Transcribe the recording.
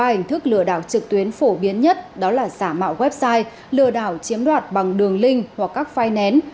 ba hình thức lừa đảo trực tuyến phổ biến nhất đó là giả mạo website lừa đảo chiếm đoạt bằng đường link hoặc các file nén